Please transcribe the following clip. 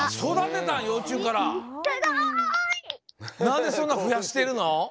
なんでそんなふやしてるの？